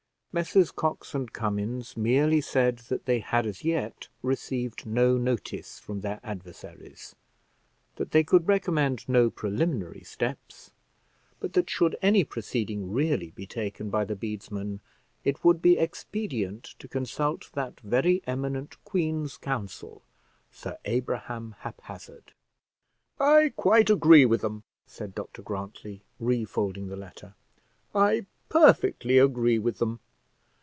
Messrs Cox and Cummins merely said that they had as yet received no notice from their adversaries; that they could recommend no preliminary steps; but that should any proceeding really be taken by the bedesmen, it would be expedient to consult that very eminent Queen's Counsel, Sir Abraham Haphazard. "I quite agree with them," said Dr Grantly, refolding the letter. "I perfectly agree with them.